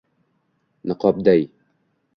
niqobday